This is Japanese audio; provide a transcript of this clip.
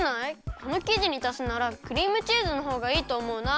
このきじにたすならクリームチーズのほうがいいとおもうな。